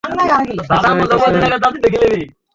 কাছে আয়, কাছে আয়!